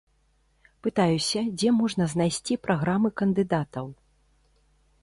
Пытаюся, дзе можна знайсці праграмы кандыдатаў.